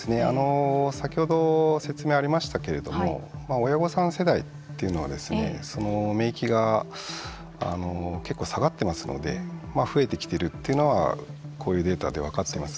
先ほど説明がありましたけれども親御さん世代というのは免疫が結構下がっていますので増えてきているというのはこういうデータで分かっています。